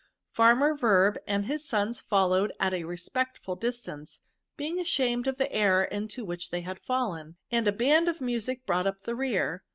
Farmer Verb and his sons fol lowed at a respectful distance, being ashamed of the error into which they had fidlen, and a band of music brought up the rear.